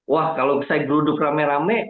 wah kalau saya geruduk rame rame